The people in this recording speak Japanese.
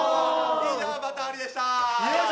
以上、バタハリでした！